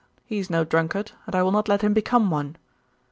He is no drunkard, and I will not let him become one.